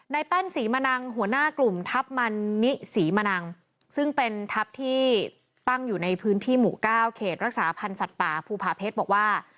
แป้นศรีมะนังหัวหน้ากลุ่มทัพมันนิศรีมนังซึ่งเป็นทัพที่ตั้งอยู่ในพื้นที่หมู่เก้าเขตรักษาพันธ์สัตว์ป่าภูผาเพชรบอกว่า